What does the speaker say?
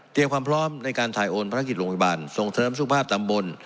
ความพร้อมในการถ่ายโอนภารกิจโรงพยาบาลส่งเสริมสุขภาพตำบล